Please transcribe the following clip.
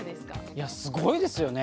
いやすごいですよね。